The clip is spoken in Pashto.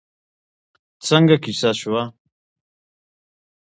څنګه کېسه شوه؟